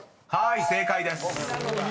［はい正解です］